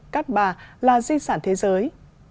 và là di sản thế giới